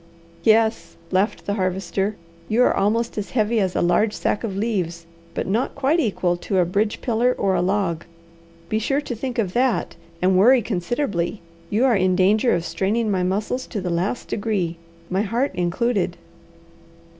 "Yes," laughed the Harvester. "You are almost as heavy as a large sack of leaves, but not quite equal to a bridge pillar or a log. Be sure to think of that, and worry considerably. You are in danger of straining my muscles to the last degree, my heart included."